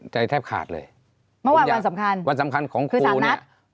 ใจแทบขาดเลยเมื่อวานวันสำคัญวันสำคัญของครูเนี้ยคือสารนัด